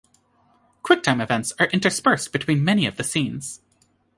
Quick Time Events are interspersed between many of the scenes.